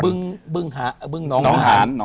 บึงหนองหาน